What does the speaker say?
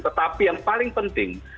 tetapi yang paling penting